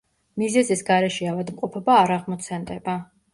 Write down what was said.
მიზეზის გარეშე ავადმყოფობა არ აღმოცენდება.